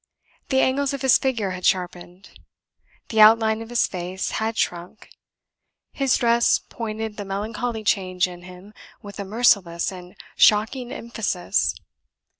The angles of his figure had sharpened. The outline of his face had shrunk. His dress pointed the melancholy change in him with a merciless and shocking emphasis.